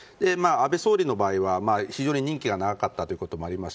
安倍総理の場合は非常に任期が長かったということもあります